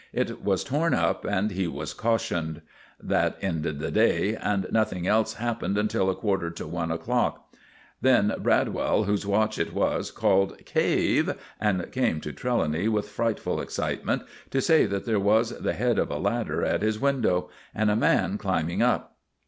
It was torn up, and he was cautioned. That ended the day, and nothing else happened until a quarter to one o'clock. Then Bradwell, whose watch it was, called "Cave!" and came to Trelawny with frightful excitement to say that there was the head of a ladder at his window, and a man climbing up.